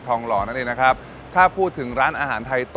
อย่างเช่นประเทศไทยที่ตั้งอยู่ในเขตร้อนและอบอุ่นเป็นส่วนใหญ่